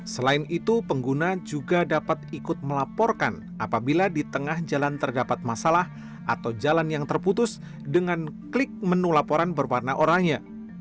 selain itu pengguna juga dapat ikut melaporkan apabila di tengah jalan terdapat masalah atau jalan yang terputus dengan klik menu laporan berwarna oranya